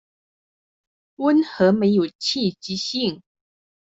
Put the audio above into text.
溫和沒有刺激性